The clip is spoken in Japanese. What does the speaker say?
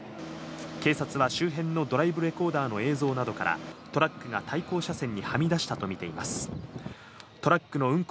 警察は周辺のドライブレコーダーの映像などから、トラックが対向車線にはみ出したと見ています。